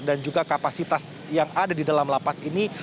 dan juga kapasitas yang ada di dalam lapas ini